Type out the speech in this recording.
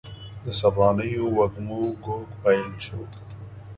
د سبانیو وږمو ږوږ پیل شو